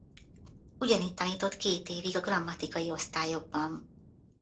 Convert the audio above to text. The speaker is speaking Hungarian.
Ugyanitt tanított két évig a grammatikai osztályokban.